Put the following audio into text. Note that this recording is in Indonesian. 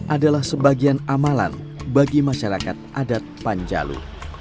adalah sebagian amalan bagi masyarakat adat panjalu